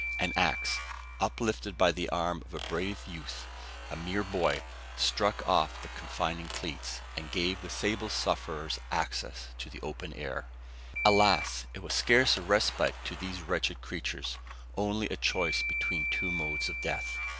An axe uplifted by the arm of a brave youth a mere boy struck off the confining cleats, and gave the sable sufferers access to the open air. Alas! it was scarce a respite to these wretched creatures, only a choice between two modes of death.